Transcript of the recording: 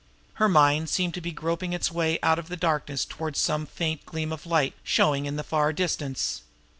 Her mind seemed to be groping its way out of darkness toward some faint gleam of light showing in the far distance.